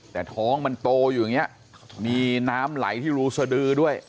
แต่ท้องมันโตอยู่อย่างนี้มีน้ำไหลที่รูสดือด้วย